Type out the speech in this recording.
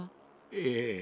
ええ。